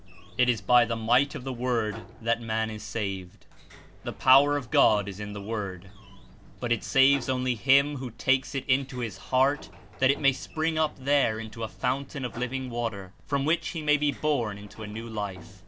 It is by the might of the Word that man Is saved. The power of God Is In the Word, but It saves only him who takes It Into his heart that It may spring up there Into a fountain of living Water, from which he shall be born Into a new Life.